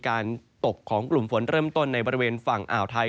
การตกของกลุ่มฝนเริ่มต้นในบริเวณฝั่งอ่าวไทย